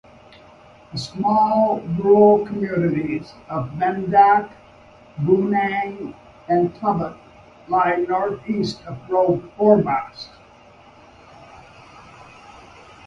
The small rural communities of Bendoc, Bonang and Tubbut lie North East of Orbost.